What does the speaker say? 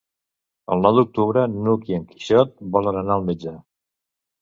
El nou d'octubre n'Hug i en Quixot volen anar al metge.